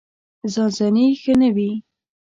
ځان ځاني ښه نه وي.